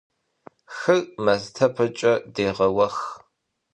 Хыр мастэпэкӀэ дегъэуэх.